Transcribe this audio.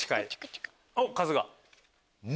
おっ春日。